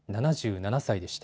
７７歳でした。